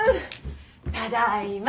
ただいま。